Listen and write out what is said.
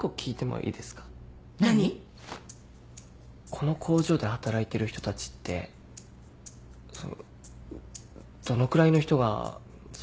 この工場で働いてる人たちってそのどのくらいの人がその。